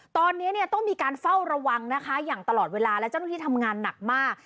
ตอนนี้เนี่ยต้องมีการเฝ้าระวังนะคะอย่างตลอดเวลาและเจ้าหน้าที่ทำงานหนักมาก